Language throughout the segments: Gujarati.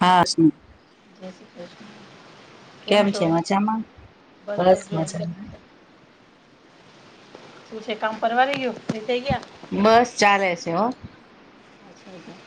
હા શ. જય શ્રી કૃષ્ણ. કેમ છે મજામાં બસ મજામાં. શું છે કામ પરવારી ગયું, ફ્રી થઈ ગયા. બસ ચાલે છે હો.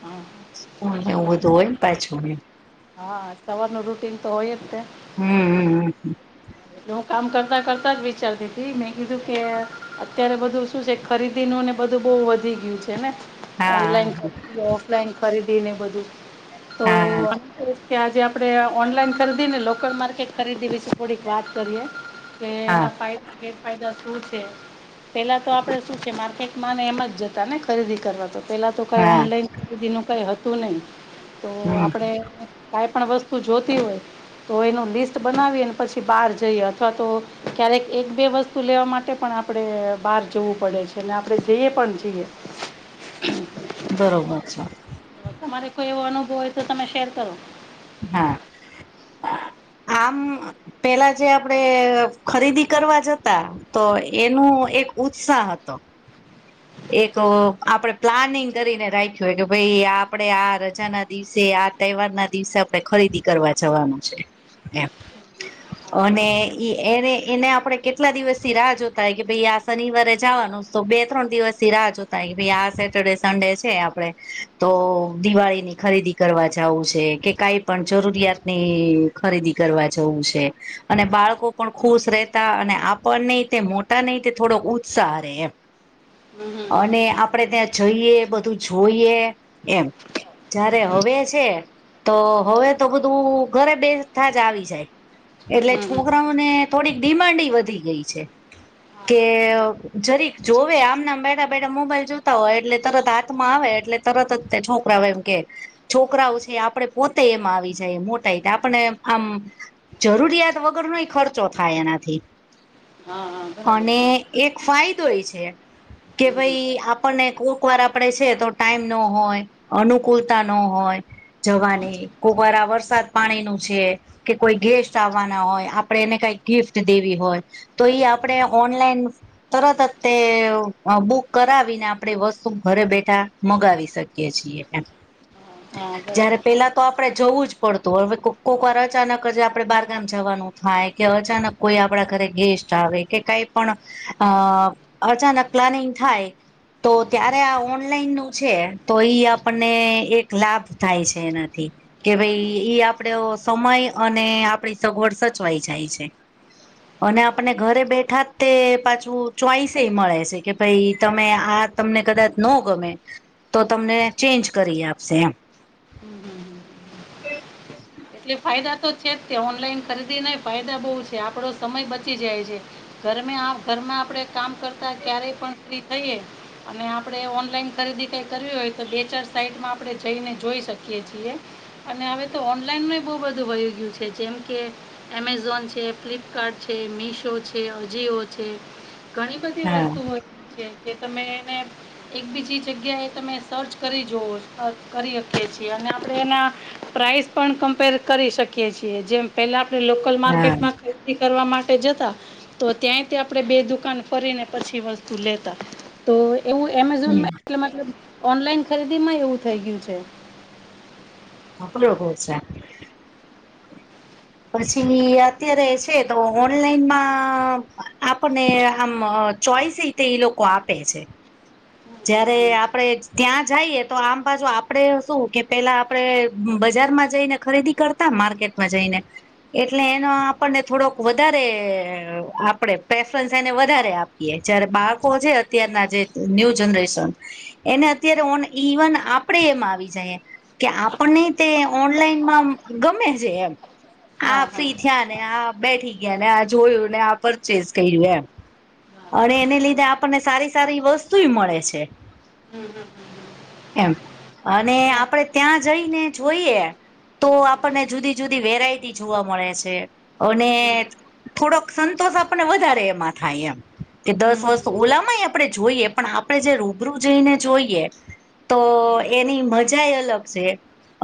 [inaudible] હા. સ્કૂલ ને એવું બધું બેસવું હોય છે? ને પાછું બેન. હા, સવારનુ રૂટીન તો હોય તે. હમ- હમ- હમ એટલે હું કામ કરતા -કરતા જ વિચારતી હતી મેં કીધું કે અત્યારે બધું શું છે ખરીદીનુંને બધું બહુ વધી ગયું છે ને. હા ઓનલાઈન ખરીદી ઓફલાઈન ખરીદીને બધું તો હા આજે કે આપડે ઓનલાઈન ખરીદી ને લોકલ માર્કેટ ખરીદી વિશે થોડીક વાત કરીએ. કે હા એના ફાયદા ગેર ફેરફાયદા શું છે. પેલા તો આપડે શું છે માર્કેટ માં ને એમાં જ જતા ને ખરીદી કરવા તો. પહેલાં તો કાંઈ હા ઓનલાઈન ખરીદીનું કાંઈ હતું નહીં. તો હમ આપણે કાઈ પણ વસ્તુ જોતી હોય તો એનું લિસ્ટ બનાવીને પછી બહાર જઈએ અથવા તો ક્યારેક એક બે વસ્તુ લેવા માટે પણ આપડે બહાર જવું પડે છે ને આપણે જઈએ પણ જઈએ. બરોબર છે. તમારે કોઈ એવો અનુભવ હોય તો તમે શેર કરો. હા, આમ પેલા જે આપડે ખરીદી કરવા જતા તો એનું એક ઉત્સાહ હતો. એક આપડે પ્લાનિંગ કરીને રાખ્યું હોય કે ભઈ આપડે આ રજાના દિવસે આ તહેવાર ના દિવસે આપણેે ખરીદી કરવા જવાનું છે એમ. અને ઇ એને- એને આપણે કેટલા દિવસથી રાહ જોતા હો કે ભાઈ આ શનિવારે જાવાનું તો બે ત્રણ દિવસ કે રાહ જોતા હોય ભાઈ આ સેટરડે સન્ડે છે આપડે તો દિવાળી ની ખરીદી કરવા જાવું છે કે કઈ પણ જરૂરિયાતની ખરીદી કરવા જવું છે. અને બાળકો પણ ખુશ રહેતા અને આપણનેય તે મોટા ને તે થોડો ઉત્સાહ રહે એમ. હમ હમ અને આપણેે ત્યાં જઈએ બધું જોઈએ એમ. જયારે હમ હવે છે તો હવે તો બધું ઘરે બેથા જ આવી જાય. એટલે હમ હમ. છોકરાઓને થોડીક ડિમાન્ડઈ વધી ગઈ છે. કે અ જરીક જોવે આમ નામ બેઠા- બેઠા મોબાઈલ જોતા હોય એટલે તરત હાથમાં આવે એટલે તરત જ તે છોકરાઓ એમ કે છોકરાઓ છે આપડે પોતેય એમ આવી જાય મોટાઇ તે આપણે આમ જરૂરિયાત વગર નોય ખર્ચો થાય એનાથી. હા હા હા બરાબર અને છે એક ફાયદો ય છે. કે હમ. ભઈ આપણને કોક વાર આપડે છે તો ટાઈમ ન હોય. અનુકૂળતા નો હોય જવાની કોકવાર આ વરસાદ પાણીનું છે. કે કોઈ ગેસ્ટ આવવાના હોય આપડે એને કાંઈ ગિફ્ટ દેવી હોય તો ઈ આપણેે ઓનલાઈન તરત જ તે અ બુક કરાવીને આપણેે વસ્તુ ઘરે બેઠા મગાવી શકીએ છીએ એમ. હા જયારે બરાબર પેલા છે તો આપણે જવું જ પડતું હવે કો કોક વાર જ અચાનક જ આપણે બારગામ જવાનું થાય કે અચાનક કોઈ આપણા ઘરે ગેસ્ટ આવે કે કાઈ પણ અ અચાનક પ્લાનિંગ થાય તો ત્યારે આ ઓનલાઈન નું છે તો ઈ આપણને એક લાભ થાય છે એનાથી કે ભઈ ઈ આપડો સમય અને આપણી સગવડ સચવાઈ જાય છે. અને આપને ઘરે બેઠા તે પાછું ચોઈસ એ મળે છે. કે ભાઈ તમે આ તમને કદાચ નો ગમે તો તમને ચેન્જ કરી આપશે એમ એટલે ફાયદા તો છે જ તે ઓનલાઈન ખરીદીનાય ફાયદા બહુ છે આપડો સમય બચી જાય છે. ઘરમે આમ ઘરમાં આપડે કામ કરતા ક્યારેય પણ ફ્રી થઈએ અને આપડે ઓનલાઈન ખરીદી કઈ કરવી હોય તો બે ચાર સાઈટમાં આપડે જઈને જોઈ શકીએ છીએ. અને હવે તો ઓનલાઈનમાં બો બધું વઈ ગયું છે, જેમ કે એમેઝોન છે, ફ્લિપકાર્ટ છે, મીશો છે, અજીિયો છે. ઘણી બધી હા વસ્તુ હોય છે જે તમે એને એક બીજી જગ્યા એ તમે સર્ચ કરી જોવો સચૅ કરી હકીએ છીએ અને આપડે એના પ્રાઇસ પણ કમ્પેર કરી શકીએ છીએ. જેમ પેલા આપણે લોકલ હા માર્કેટમાં ખરીદી કરવા માટે જતા તો ત્યાંય તે આપડે બે દુકાન ફરીને પછી વસ્તુ લેતા તો એવું હમ એમેઝોનમાં એટલે મતલબ ઓનલાઈન ખરીદીમાંય એવું થઈ ગયું છે. [unintelligible] [inaudible] પછી અત્યારે છે તો ઓનલાઈનમાં આપને આમ ચોઈસય તે ઈ લોકો આપે છે. જયારે આપડે ત્યાં જઈએ તો આમ બાજુ આપડે શું કે પેલા આપડે બજારમાં જઈ ને ખરીદી કરતા માર્કેટમાં જઈને એટલે એનો આપણને થોડોક વધારે આપડે પ્રેફન્સ એને વધારે આપ પીએ જયારે બાળકો છે અત્યારના જે ન્યુ જનરેશન એને અત્યારે ઓન ઇવન આપડેય એમા આવી જાયે કે આપણને તે ઓનલાઈનમાં આમ‌ ગમે છે એમ હા આ હા ફ્રી થયાન આ બેઠી ગયા ને આ જોયું ને આ પરચેસ કર્યું એમ અને એને લીધે આપણને સારી સારી વસ્તુય મળે છે. એમ અને આપડે ત્યાં જઈને જોઈએ, તો આપણને જુદી જુદી વેરાયટી જોવા મળે છે અને થોડોક સંતોષ આપનને વધારે એમાં થાય એમ કે દસ હમ વસ્તુ ઓલામાંય આપણે જોઈએ પણ આપણે જે રૂબરૂ જઈને જોઈએ તો એની મજાય અલગ છે.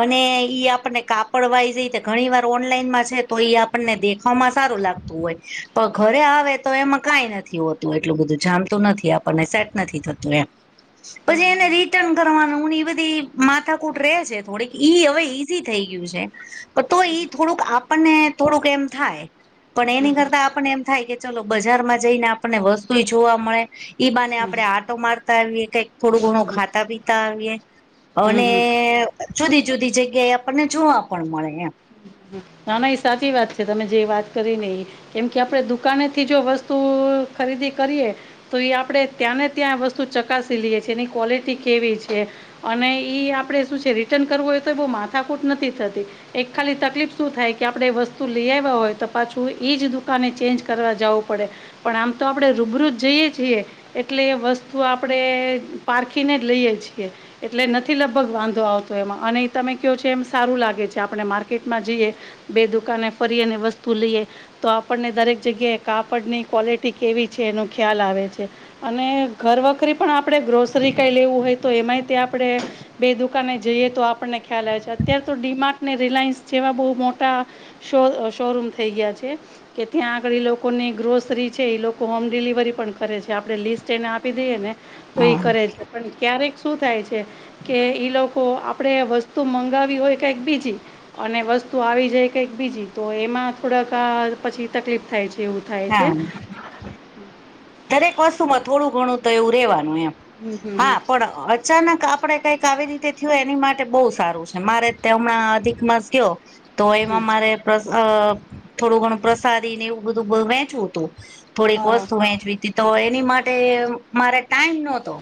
અને ઈ આપણને કાપડ વાય જય ઘણી વાર ઓનલાઈનમાં છે તો ઈ આપ નને દેખવામાં સારું લાગતું હોય પણ ઘરે આવે તો એમાં કંઈ નથી હોતું. એટલું બધું જામતું નથી આપણને સેટ નથી થતું એમ પછી એને રી ટન કરવાનું ને એ બધી માથાકૂટ રહે છે થોડીક ઈ હવે ઈઝી થઈ ગયું છે. પન તો ઈ થોડુંક આપણને થોડુંક એમ થાય પણ એની કરતા આપણને એમ થાય કે ચલો બજારમાં જઈને આપણને વસ્તુય જોવા મળે ઈ બાને હમ આપડે આટો મારતા આવીએ કઈક થોડું ઘણું ખાતા પીતા આવીએ અને હમ હમ જુદી જુદી જગ્યા એ આપણને જોવા પણ મળે એમ ના ના ઈ સાચી વાત છે તમે જે વાત કરી ને ઈ કેમ કે આપડે દુકાનેથી જો વસ્તુ ખરીદી કરીએ. તો એ આપડે ત્યાં ને ત્યાં એ વસ્તુ ચકાસી લઈએ છીએ એની ક્વોલિટી કેવી છે. અને ઈ આપડે શું છે રિટર્ન કરવું હોય તો ય બહુ માથાકૂટ નથી થતી એક ખાલી તકલીફ શું થાય કે આપડે વસ્તુ લઈ આવ્યા હોય તો પાછું એ જ દુકાને ચેન્જ કરવા જાવું પડે. પણ આમ તો આપડે રૂબરૂ જ જઈએ છીએ. એટલે વસ્તુ આપડે પારખીને જ લઈએ છીએ. એટલે નથી લગભગ વાંધો આવતો એમાં અને ઈ તમે કયો છો એમ સારું લાગે છે આપણે માર્કેટમાં જઈએ બે દુકાને ફરીએ અને વસ્તુ લઈએ. તો આપણને દરેક જગ્યાએ કાપડની ક્વોલિટી કેવી છે એનો ખ્યાલ આવે છે. અને ઘર વખરી પણ આપણેે ગ્રોસરી કાઈ લેવું હોય તો એમાંય તે આપણે બે દુકાને જઈએ તો આપણને ખ્યાલ આવે છે. અત્યારે તો ડીમાર્ટ ને રિલાયન્સ જેવા બહુ મોટ ટા શો શોરૂમ થઈ ગયા છે. કે ત્યાં આગળ ઈ લોકોની ગ્રોસરી છે ઈ લોકો હોમ ડિલિવરી પણ કરે છે આપણે લિસ્ટ એને આપી દઈએ ને. તો ઈ હા કરે છે પણ ક્યારેક શું થાય છે. કે ઈ લોકો આપડે વસ્તુ મંગાવી હોય કાંઈક બીજી અને વસ તુ આવી જાય કંઈક બીજી તો એમાં થોડાક પછી તકલીફ થાય છે એવું થાય છે. હા દરેક વસ્તુમાં થોડું ઘણું તો એવું રેવાનું એમ હમ હમ હા, હમ પણ [unintelligible] અચાનક આપડે કંઇક આવી રીતે થ્યું એની માટે બહુ સારું છે મારે તો હમણાં અધિક માસ ગ્યો. તો હમ એમાં મારે પ્ર અ થોડું ઘણું પ્રસાદીને એવું બધું વેંચવું તું. થોડીક હા હા વસ્તુ વહેંચવી હતી, તો એની માટે મારે ટાઈમ નહોતો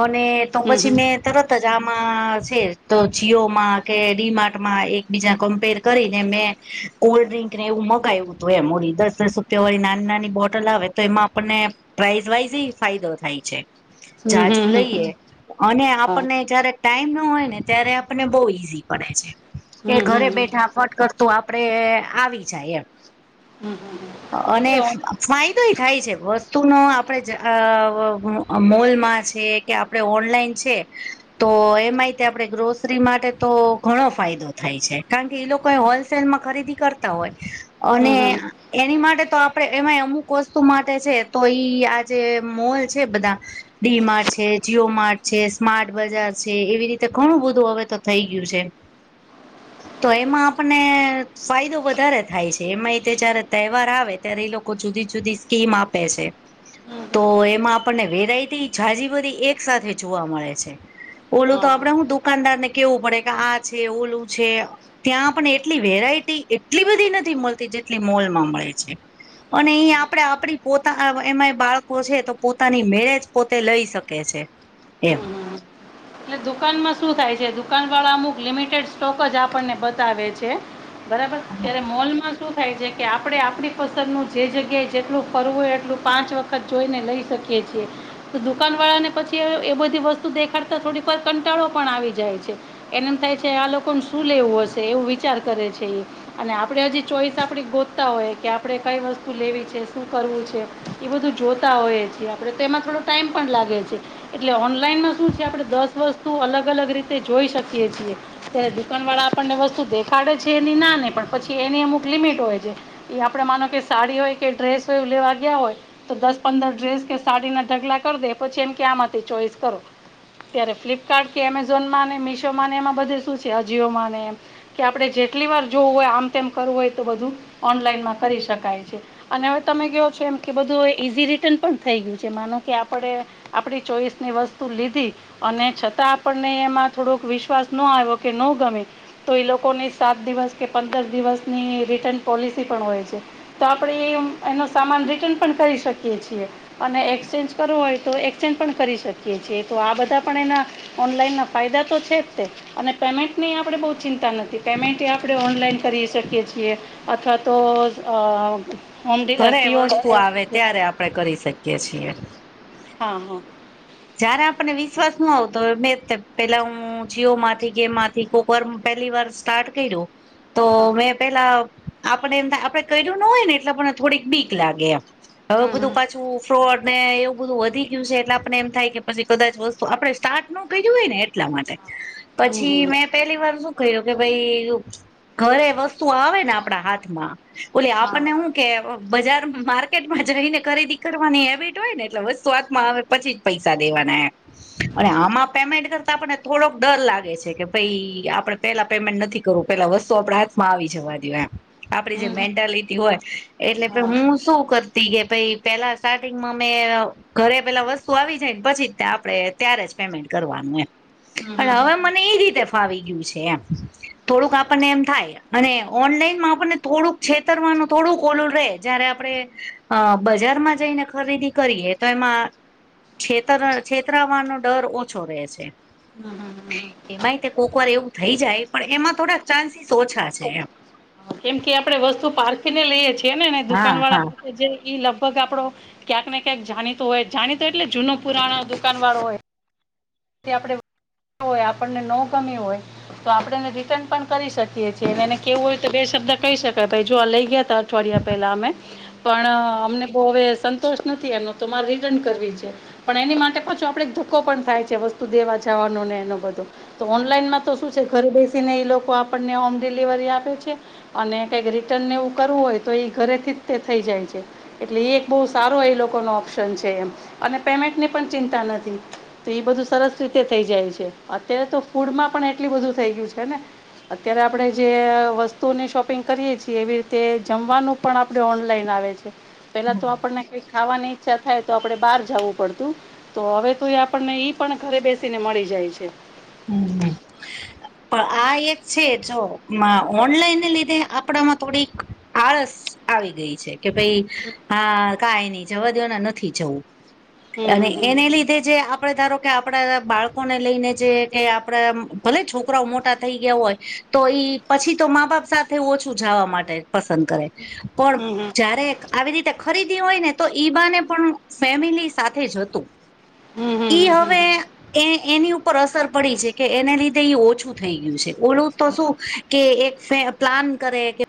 અને તો હમ પછી હમ હમ મે તરત જ આમાં છે તો જીઓમાં કે ડીમાર્ટમાં એકબીજા કમ્પેર કરીને મેં કોલ્ડ્રિંક ને એવું મગાયુ તું એમ ઓલી દસ દસ તે ઓલી નાન નાની બોટલ આવે તો એમાં આપણને પ્રાઇઝ વાઈઝ એ ફાયદો થાય છે. હમ જાજુ હમ લઈએ અને હા આપણને જયારે ટાઈમ નો હોય ને ત્યારે આપણને બહુ ઈઝી પડે છે એ હમ હમ ઘરે હમ બેઠા ફટ કરતું આપડે આવી જાય એમ. હમ હમ અને એટલે ઓન- ફાયદો ય થાય છે. વસ્તુનો આપડે અ મોલમાં છે કે આપડે ઓનલાઈન છે. તો એમાંય તે આપણે ગ્રોસરી માટે તો ઘણો ફાયદો થાય છે કારણ કે એ લોકો એ હોલ સેલમાં ખરીદી કરતા હોય અને હમ હમ એની માટે તો આપણે એમાંય અમુક વસ્તુ માટ છે તો ઈ આજે મોલ છે બધા, ડી માર્ટ છે, જીઓ માર્ટ છે. સ્માર્ટ બજાર છે. એવી રીતે ઘણું બધું હવે તો થઈ ગયું છે. [inaudible] તો એમાં આપ ને ફાયદો વધારે થાય છે. એમાંય તે જયારે તહેવાર આવે ત્યારે એ લોકો જુદી જુદી સ્કીમ આપે છે. તો એમાં આપણને વેરાયટી જાજી બધી એક સાથે જોવા મળે છે. ઓલું હા તો હા આપણે હું દુકાનદાર ને કેવું પડે કે આ છે ઓલું છે. ત્યાં પણ એટલી વેરાયટી એટલી બધી નથી મળતી જેટલી મોલમાં મળે છે. અને એ આપ આપણે આપણી પોતા એમાંય બાળકો છે તો પોતાની મેળે જ પોતે લઈ શકે છે. એમ. હમ હમ એટલે દુકાનમાં શું થાય છે, દુકાનવાળા અમુક લિમિટેડ સ્ટોક જ આપણને બતાવે છે. બરાબર, ત્યારે મોલમાં શું થાય કે આપણી પસંદનું જે જગ્યાએ જેટલું ફરવું હોય, એટલું પાંચ વખત જોઈને લઈ શકીએ. તો દુકાન વાળા ને પછી એ બધી વસ્તુ દેખાડતા થોડી પર કંટાળો પણ આવી જાય છે. એને એમ થાય છે આ લોકોને શું લેવું હશે એવું વિચાર કરે છે એ. અને આપણે હજી ચોઈસ આપણી શોધતા હોય કે આપણે કઈ વસ્તુ લેવી છે, શું કરવું છે. એ બધું જોતા હોઈએ છીએ આપણે તેમાં થોડો ટાઈમ પણ લાગે છે એટલે ઓનલાઈનમાં શું છે. આપણે દસ વસ્તુ અલગ અલગ રીતે જોઈ છીએ. ત્યારે દુકાન વાળા આપણને વસ્તુ દેખાડે છે એની ના નહી, પણ પછી એની અમુક લિમિટ હોય છે. એ આપણે માનો કે સાડી હોય કે ડ્રેસ હોય એવું લેવા ગયા હોય. તો દસ પંદર ડ્રેસ કે સાડી ના ઢગલા કર દે પછી એમ કે આમાંથી ચોઈસ કરો. ત્યારે ફ્લિપકાર્ટ કે એમેઝોન માં ને મિશો ને એમાં બધે શું છે અજીયોમાંને એમ. કે આપણે જેટલી વાર જોવું હોય આમ તેમ કરવું હોય તો બધું ઓનલાઈનમાં કરી શકાય છે. અને હવે તમે કેઓ છો એમ કે બધું ઈઝી રિટર્ન પણ થઈ ગયું છે. માનો કે આપણે આપણી ચોઈસ ની વસ્તુ લીધી. અને છતાં આપણને એમાં થોડોક વિશ્વાસ ન આવ્યો કે ન ગમે. તો એ લોકોની સાત દિવસ કે પંદર દિવસ ની રિટર્ન પોલિસી પણ હોય છે. તો આપણે એમ એનો સામાન રિટન પણ કરી શકીએ છીએ. અને એક્સચેન્જ કરવો હોય તો એક્સચેન્જ પણ કરી શકીએ છીએ. તો આ બધા પણ એના ઓનલાઈન ના ફાયદા તો છે જ તે અને પેમેન્ટ ની આપણે બહુ ચિંતા નથી. પેમેન્ટ એ આપણે ઓનલાઈન કરી શકીએ છીએ. અથવા તો અ હોમ ડિ ઘરે વસ્તુ સીઓડી આવે ત્યારે આપણે કરી શકીએ છીએ. હા, હા. જ્યારે આપણને વિશ્વાસ નહી આવતો મેં પહેલા હું જીઓમાંથી કે એમાંથી કોઈક વાર પહેલી વાર સ્ટાર્ટ કર્યું તો હા મેં પહેલા આપણે એમ આપણે કર્યું નો હોય ને એટલે આ ને થોડીક બીક લાગે એમ હવે હમ હમ બધું પાછું ફ્રોડ ને એવું બધું વધી ગયું છે એટલે આપને એમ થાય કે પછી કદાચ વસ્તુ આપણે સ્ટાર્ટ નો કર્યુ હોય ને એટલા માટે પછી હમ હમ મેં પહેલી વાર શું કર્યું કે ભાઈ ઘરે વસ્તુ આવે ને આપણા હાથમાં ઓલે હા આપણને હું કે બજાર માર્કેટમાં જઈને ખરીદી કરવાની આદત હોય ને એટલે વસ્તુ હાથમાં આવે પછી જ પૈસા દેવાના. અને આમાં પેમેન્ટ કરતા આપણને થોડોક ડર લાગે છે કે ભાઈ આપણે પહેલા પેમેન્ટ નથી કરવું પહેલા વસ્તુ આપણા હાથમાં આવી જવા દેવો એમ આપણી જે હમ હમ મેન્ટાલિટી હોય એટલે કે હા હું શું કર તો કે ભાઈ પહેલા સ્ટાર્ટિંગમાં મે ઘરે પહેલા વસ વસ્તુ આવી જાય ને પછી જ આપણે ત્યારે જ પેમેન્ટ કરવાનું એમ હમ હમ પણ હવે મન એ રીતે ફાવી ગયું છે. એમ થોડુંક આપણને એમ થાય. અને ઓનલાઈનમાં આપણને થોડુંક છેતરવાનું થોડુંક પેલું રહેે જયારે આપણે બજારમાં જઈને ખરીદી કરીએ તો એમાં છેતર છેતરાવાનો ડર ઓછો રહે છે. હમ્મ, હમ્મ. એમાંય તે કોઈક વાર એવું થઈ જાય પણ એમાં થોડાક ચાન્સીસ ઓછા છે એમ. કેમ કે આપણે વસ્તુ પારખીને લઈએ છીએ ને હા દુકાન વાળા હા. પાસે જે ઈ લગભગ આપડો ક્યાંક ને ક્યાંક જાણીતો હોય જાણીતો એટલે જૂનો પુરાણો દુકાન વાળો હોય એ આપડે હોય આપણને નો ગમી હોય તો આપડે એને રિટર્ન પણ કરી શકીએ છીએ અને એને કહેવું હોય તો બે શબ્દ કહી શકાય ભાઈ જો આ લઈ ગયાતા થોડી વાર પહેલા અમે પણ અમને બઉ હવે સંતોષ નથી એનો તો મારે રિટર્ન કરવી છે. પણ એની માટે પાછું આપડે એક ધક્કો પણ થાય છે વસ્તુ દેવા જવાનો ને એનો બધો. તો હા. ઓનલાઈનમાં તો શું છે ઘરે બેસીને એ લોકો આપણને હોમ ડિલિવરી આપે છે અને કઈક રિટર્ન ને એવું કરવું હોય તો એ ઘરેથી જ તે થઈ જાય છે. એટલે એ એક બહુ સારો એ લોકોનો ઓપ્શન છે એમ અને પેમેન્ટની પણ ચિંતા નથી. તો ઈ બધું સરસ રીતે થઈ જાય છે. અત્યારે તો ફૂડમાં પણ એટલું બધું થઈ ગયું છે ને અત્યારે આપડે જે વસ્તુની શોપિંગ કરીએ છીએ એવી રીતે જમવાનું પણ આપડે ઓનલાઈન આવે છે. પહેલા હમ્મ. તો આપણને કઈ ખાવાની ઈચ્છા થાય તો આપડે બહાર જવું પડતું તો હવે તો એ આપણને ઈ પણ ઘરે બેસીને મળી જાય છે. હમ્મ હમ્મ. પણ આ એક છે જો મ ઓનલાઈનને લીધે આપડામાં થોડીક આળસ આવી ગઈ છે કે ભાઈ [inaudible] હા કાઈ નઈ જવા દો ને નથી જવું હમ અને હમ હમ એને લી ધે જે આપણે ધારો કે આપણા બાળકોને લઈએ તે કે આપડે ભલે છોકરાઓ મોટા થઈ ગયા હોય તો ઈ પછી તો મા બાપ સા થે ઓછું જાવા માટે પસંદ કરે પણ હમ હમ હમ જ્યારે આવી રીતે ખરીદી હોય ને તો ઈ બહાને પણ ફેમિલી સાથે જ હતું. હમ ઈ હમ હમ હવે એ એની ઉપર અસર પડી છે કે એને લીધે ઈ ઓછું થઈ ગયું છે ઓલું તો શું કે એક ફે પ્લાન કરે કે